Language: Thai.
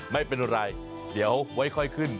ไม่เป็นไรเดี๋ยวไว้ค่อยขึ้น